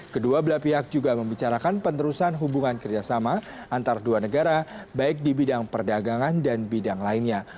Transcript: kedua belah pihak juga membicarakan penerusan hubungan kerjasama antar dua negara baik di bidang perdagangan dan bidang lainnya